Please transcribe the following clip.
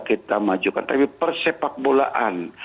kita majukan tapi persepak bolaan